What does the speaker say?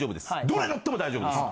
どれ乗っても大丈夫です！